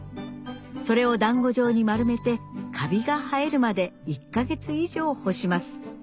それを団子状に丸めてカビが生えるまで１か月以上干します